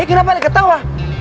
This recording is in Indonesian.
eh kenapa leket tawa